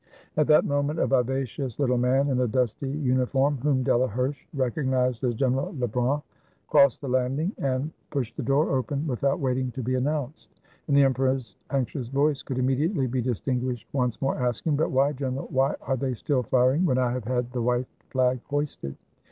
At that moment a vivacious little man, in a dusty uniform, whom Delaherche recognized as General Le brun, crossed the landing and pushed the door open, without waiting to be announced. And the emperor's anxious voice could immediately be distinguished, once more asking: "But why. General, why are they still firing when I have had the white flag hoisted?"